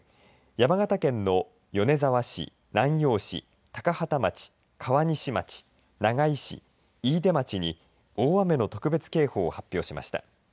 山形県の米沢市南陽市高畠町、川西町長井市、飯豊町に大雨の特別警報を発表しました。